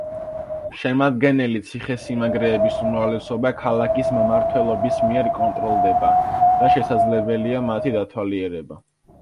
შემადგენელი ციხესიმაგრეების უმრავლესობა ქალაქის მმართველობის მიერ კონტროლდება და შესაძლებელია მათი დათვალიერება.